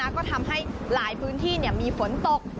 ก็ทำให้หลายพื้นที่มีฝนตก